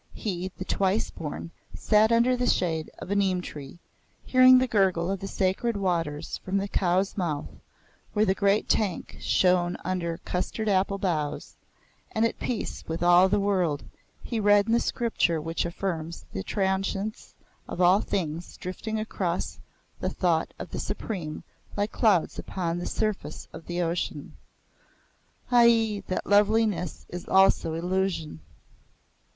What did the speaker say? He, the Twice born sat under the shade of a neem tree, hearing the gurgle of the sacred waters from the Cow's Mouth, where the great tank shone under the custard apple boughs; and, at peace with all the world, he read in the Scripture which affirms the transience of all things drifting across the thought of the Supreme like clouds upon the surface of the Ocean. (Ahi! that loveliness is also illusion!)